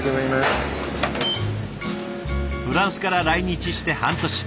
フランスから来日して半年。